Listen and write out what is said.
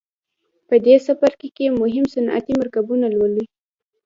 په دې څپرکي کې مهم صنعتي مرکبونه لولئ.